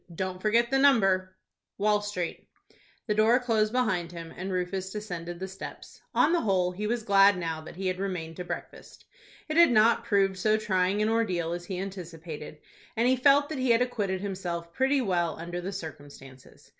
"Don't forget the number, —— Wall Street." The door closed behind him, and Rufus descended the steps. On the whole, he was glad now that he had remained to breakfast. It had not proved so trying an ordeal as he anticipated, and he felt that he had acquitted himself pretty well under the circumstances.